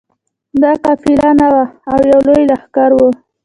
دا قافله نه وه او یو لوی لښکر وو.